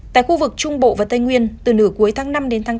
tại khu vực trung bộ và tây nguyên từ nửa cuối tháng năm đến tháng bốn